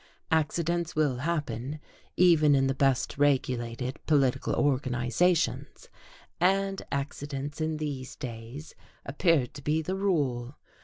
Accidents will happen, even in the best regulated political organizations, and accidents in these days appeared to be the rule.